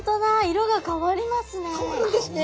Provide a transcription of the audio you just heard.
色が変わりますね。